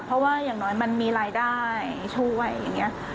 เพราะว่าอย่างน้อยมันมีรายได้ช่วยอย่างนี้